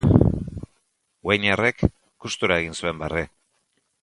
Weinerrek gustura egin zuen barre.